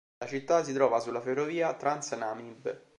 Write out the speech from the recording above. La città si trova sulla ferrovia Trans-Namib.